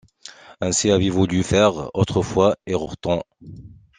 Ainsi avait voulu faire autrefois Ayrton.